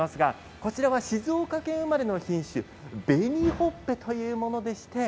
こちらは静岡県生まれの品種紅ほっぺというものです。